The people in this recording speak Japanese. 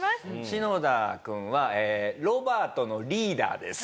シノダくんはロバートのリーダーです。